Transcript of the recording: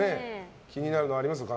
気になるのありますか？